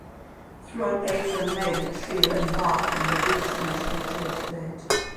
Throughout April and May the trio embarked on their biggest national tour to date.